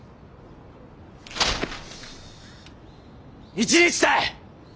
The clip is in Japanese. １日たい！